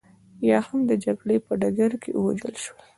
یا هم د جګړې په ډګر کې ووژل شول